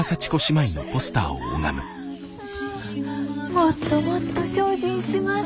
もっともっと精進します。